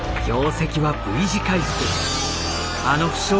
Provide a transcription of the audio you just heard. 業績はＶ字回復。